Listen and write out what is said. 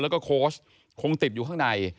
แล้วก็โค้ชคงติดอยู่ข้างใน